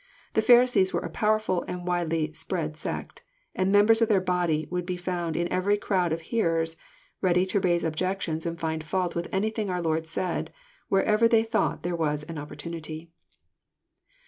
The Pharisees were a powerful and widely spread sect, and members of their body would be found in every crowd of hearers, ready to raise objections and find fault with anything our Lord said, wherever they thought there was an opportunity.